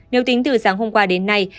nếu tính từ sáng hôm qua đến nay